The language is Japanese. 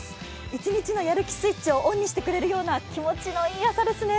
一日のやる気スイッチをオンにしてくれるような気持ちのいい朝ですね。